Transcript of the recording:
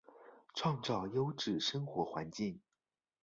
创造优质生活环境